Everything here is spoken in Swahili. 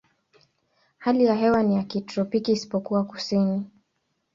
Hali ya hewa ni ya kitropiki isipokuwa kusini.